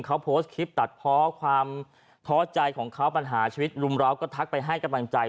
เขาโพสต์คลิปตัดเพาะความท้อใจของเขาปัญหาชีวิตรุมร้าวก็ทักไปให้กำลังใจ